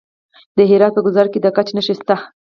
د هرات په ګذره کې د ګچ نښې شته.